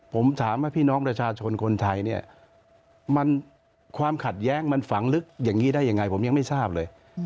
ผมถามว่าพี่น้องประชาชนคนไทยเนี่ยความขัดแย้งมันฝังลึกอย่างนี้ได้ยังไงผมยังไม่ทราบเลย